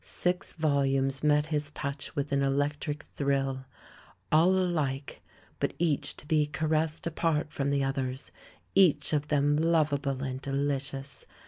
Six volumes met his touch with an electric thrill — all alike, but each to be caressed apart from the others, each of them lovable and delicious.